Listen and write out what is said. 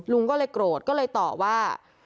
ลุงก็เลยโกรธก็เลยตอบว่า